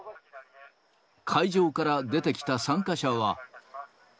会場から出てきた参加者は。